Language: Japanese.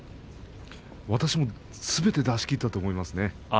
私もすべて出し切ったと思います。